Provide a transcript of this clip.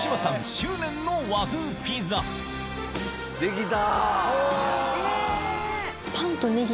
執念の和風ピザ出来た！